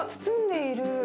包んでいる。